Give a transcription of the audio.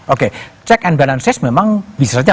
oke check and balances memang bisa saja